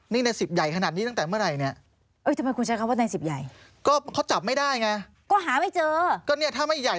นี่ในสิบใหญ่ขนาดนี้ตั้งแต่เมื่อไหร่เนี่ย